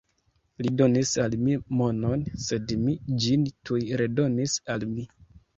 Li donis al mi monon, sed mi ĝin tuj redonis al li.